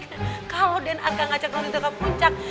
kalau den arka ngajak non di tengah puncak